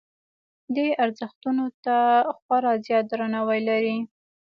دې ارزښتونو ته خورا زیات درناوی لري.